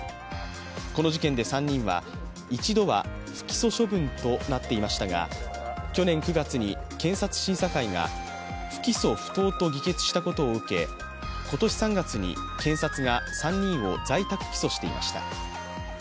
この事件で３人は一度は不起訴処分となっていましたが去年９月に検察審査会が不起訴不当と議決したことを受け、今年３月に、検察が３人を在宅起訴していました。